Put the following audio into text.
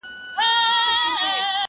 او د انساني وجدان پوښتني بې ځوابه پرېږدي,